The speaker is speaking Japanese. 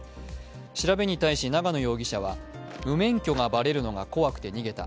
調べに対し永野容疑者は無免許がバレるのが怖くて逃げた。